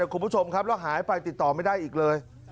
คุณผู้ชมครับแล้วหายไปติดต่อไม่ได้อีกเลย